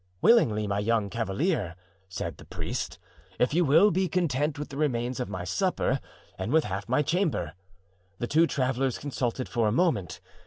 'Willingly, my young cavalier,' said the priest, 'if you will be content with the remains of my supper and with half my chamber.' "The two travelers consulted for a moment.